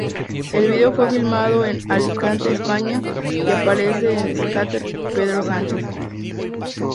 El video fue filmado en Alicante, España, y aparece el skater Pedro Sánchez.